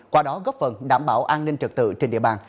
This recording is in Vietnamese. qua đó góp phần đảm bảo an ninh trật tự trên địa bàn